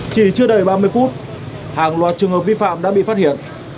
chỉ chưa đầy ba mươi phút hàng loạt trường hợp vi phạm đã bị phát hiện